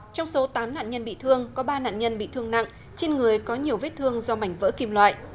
trong số tám nạn nhân bị thương có ba nạn nhân bị thương nặng trên người có nhiều vết thương do mảnh vỡ kim loại